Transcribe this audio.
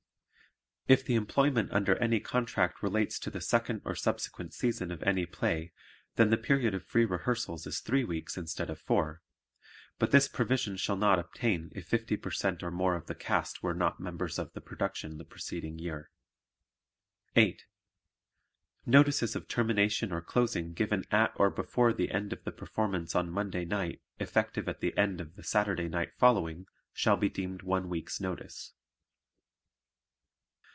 If the employment under any contract relates to the second or subsequent season of any play then the period of free rehearsals is three weeks instead of four, but this provision shall not obtain if 50 per cent or more of the cast were not members of the production the preceding year. 8. Notices of termination or closing given at or before the end of the performance on Monday night effective at the end of the Saturday night following, shall be deemed one week's notice.